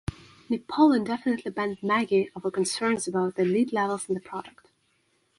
Nepal indefinitely banned Maggi over concerns about the lead levels in the product.